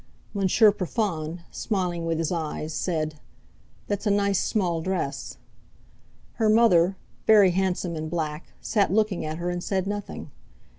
Monsieur Profond, smiling with his eyes, said: "That's a nice small dress!" Her mother, very handsome in black, sat looking at her, and said nothing.